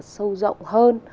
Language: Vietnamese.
sâu rộng hơn